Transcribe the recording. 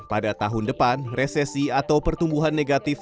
pada tahun depan resesi atau pertumbuhan negatif